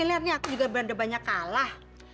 lihatlah aku juga banyak kalah